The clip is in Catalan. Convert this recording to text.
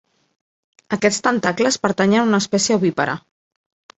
Aquests tentacles pertanyen a una espècie ovípara.